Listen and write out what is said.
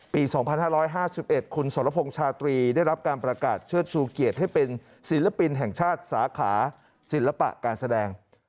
ปี๒๕๕๑คุณสรพงษ์ชาตรีได้รับการประกาศเชิดชูเกียรติให้เป็นศิลปินแห่งชาติสาขาศิลปะการแสดง